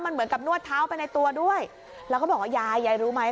มันเหมือนกับนวดเท้าไปในตัวด้วยแล้วก็บอกว่ายายยายรู้ไหม